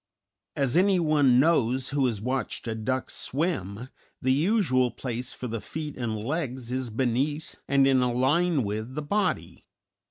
As anyone knows who has watched a duck swim, the usual place for the feet and legs is beneath and in a line with the body.